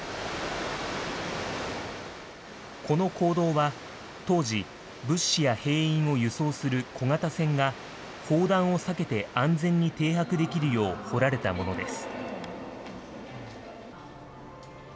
この坑道は、当時、物資や兵員を輸送する小型船が、砲弾を避けて安全に停泊できるよう掘られたものです。